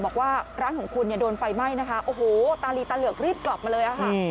บอกว่าร้านของคุณเนี่ยโดนไฟไหม้นะคะโอ้โหตาลีตาเหลือกรีบกลับมาเลยค่ะ